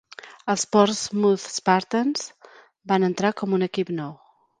Els Portsmouth Spartans van entrar com un equip nou.